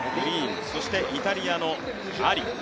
そして、イタリアのアリ。